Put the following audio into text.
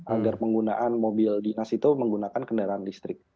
agar penggunaan mobil dinas itu menggunakan kendaraan listrik